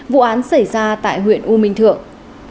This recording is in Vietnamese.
vụ án xảy ra tại huyện u minh thượng